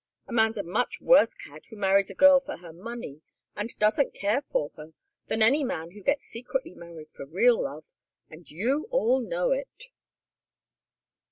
A man's a much worse cad who marries a girl for her money, and doesn't care for her, than any man who gets secretly married for real love and you all know it."